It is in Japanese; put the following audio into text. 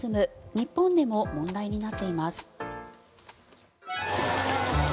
日本でも問題になっています。